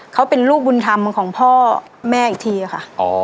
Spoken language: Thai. เขาเป็นลูกบุญธรรมของพ่อแม่อีกทีค่ะ